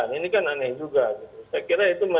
tapi kalau ada perubahan saya nggak tahu apa apa